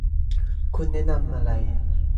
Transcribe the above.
คุณแนะนำอะไร